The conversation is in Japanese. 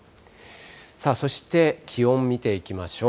さあ、そして気温見ていきましょう。